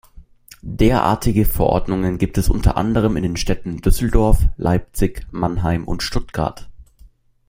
Derartige Verordnungen gibt es unter anderem in den Städten Düsseldorf, Leipzig, Mannheim und Stuttgart.